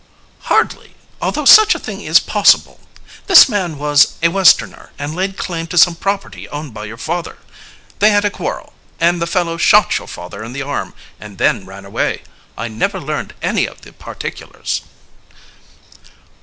"Hardly, although such a thing is possible. This man was a Westerner, and laid claim to some property owned by your father. They had a quarrel, and the fellow shot your father in the arm and then ran away. I never learned any of the particulars."